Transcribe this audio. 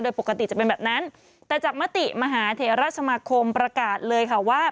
โดยปกติจะเป็นแบบนั้นแต่จากมติมหาเทราสมาคมประกาศเลยค่ะว่า